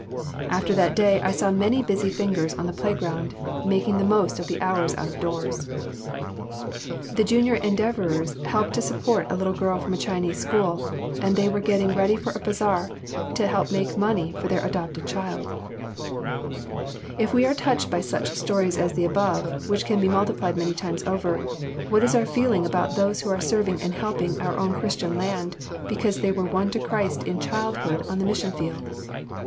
After that day I saw many busy fingers on the playground making the most of the hours out of doors. "The Junior Endeavorers help to support a little girl in a Chinese school, and they were getting ready for a bazaar to help make the money for their adopted child." [Sidenote: Children from missions fields helping to save America.] If we are touched by such stories as the above, which can be multiplied many times over, what is our feeling about those who are serving and helping our own Christian land because they were won to Christ in childhood on the mission field?